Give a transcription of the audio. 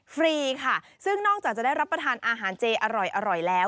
ฟรีค่ะซึ่งนอกจากจะได้รับประทานอาหารเจอร่อยแล้ว